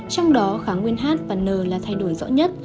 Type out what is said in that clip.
trong đó kháng nguyên h và n là thay đổi rõ nhất